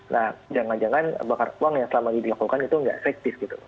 nah jangan jangan bakar uang yang selama ini dilakukan itu nggak efektif gitu